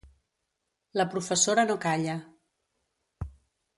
La professora no calla.